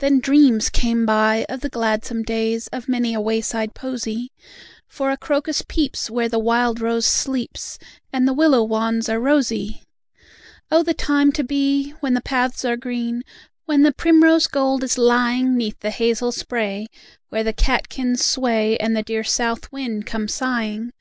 Then dreams came by, of the gladsome days, Of many a wayside posy; For a crocus peeps where the wild rose sleeps, And the willow wands are rosy! Oh! the time to be! When the paths are green, When the primrose gold is lying 'Neath the hazel spray, where the catkins sway, And the dear south wind comes sigh ing.